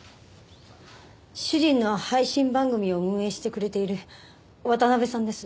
主人の配信番組を運営してくれている渡辺さんです。